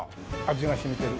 味が染みてる。